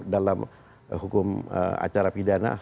dalam hukum acara pidana